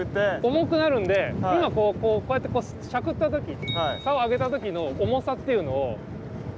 重くなるんで今こうこうやってしゃくった時サオ上げた時の重さっていうのをちょっと覚えておいて下さい。